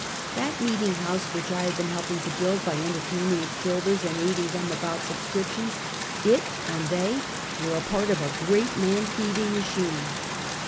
That meeting house which I had been helping to build by entertaining its builders and aiding them about subscriptions, it and they were a part of a great man thieving machine.